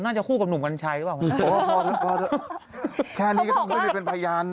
น่าจะคู่กับหนุ่มกันชัยหรือเปล่า